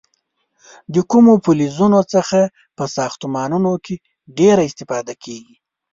د کومو فلزونو څخه په ساختمانونو کې ډیره استفاده کېږي؟